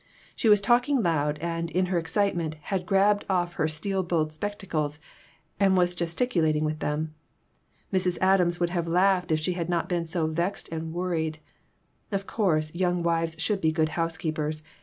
She was talking loud, and, in her excitement, had grabbed off her steel bowed spectacles and was gesticulat ing with them. Mrs. Adams would have laughed if she had not been so vexed and worried. Of course, young wives should be good housekeepers.